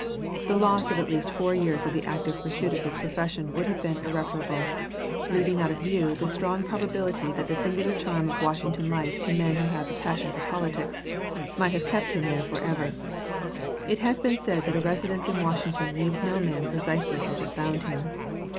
The loss of at least four years of the active pursuit of his profession would have been irreparable, leaving out of view the strong probability that the singular charm of Washington life to men who have a passion for politics might have kept him there forever. It has been said that a residence in Washington leaves no man precisely as it found him.